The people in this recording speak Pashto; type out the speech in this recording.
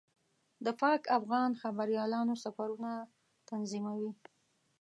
د پاک افغان خبریالانو سفرونه تنظیموي.